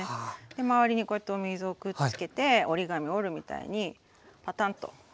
周りにこうやってお水をくっつけて折り紙折るみたいにパタンとします。